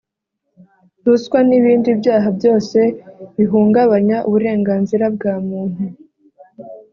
ruswa n’ibindi byaha byose bihungabanya uburenganzira bwa muntu